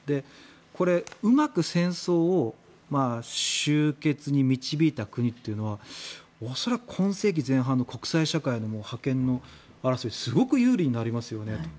これ、うまく戦争を終結に導いた国というのは恐らく今世紀前半の国際社会の覇権の争いですごく有利になりますよねと。